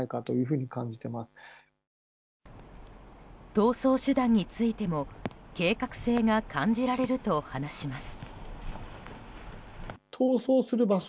逃走手段についても計画性が感じられると話します。